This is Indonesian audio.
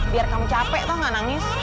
biar kamu capek tau gak nangis